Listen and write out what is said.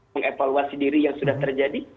mengevaluasi diri yang sudah terjadi